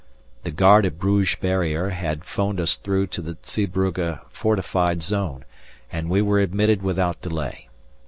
The guard at Bruges barrier had 'phoned us through to the Zeebrugge fortified zone, and we were admitted without delay.